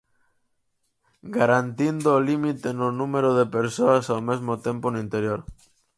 Garantindo o límite no número de persoas ao mesmo tempo no interior.